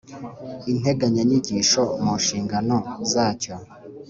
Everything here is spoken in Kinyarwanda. integanyanyigisho mu nshingano zacyo